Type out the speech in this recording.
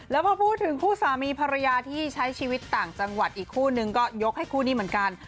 แล้วพอพูดถึงคู่สามีภรรยาที่ใช้ชีวิตต่างจังหวัดอีกคู่นึงก็ยกให้คู่นี้เหมือนกัน